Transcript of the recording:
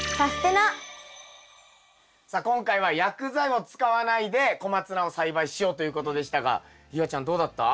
さあ今回は薬剤を使わないでコマツナを栽培しようということでしたが夕空ちゃんどうだった？